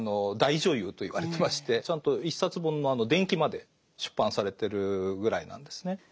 大女優といわれてましてちゃんと一冊本の伝記まで出版されてるぐらいなんですね。